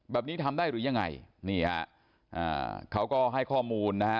แบบนี้ทำได้หรือยังไงเขาก็ให้ข้อมูลนะครับ